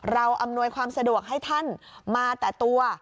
อำนวยความสะดวกให้ท่านมาแต่ตัว